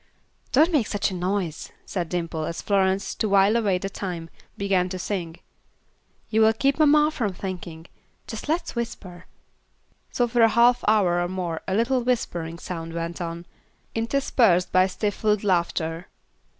"Don't make such a noise," said Dimple, as Florence, to while away the time, began to sing; "you will keep mamma from thinking. Just let's whisper." So for a half hour or more a little whispering sound went on, interspersed by stifled laughter.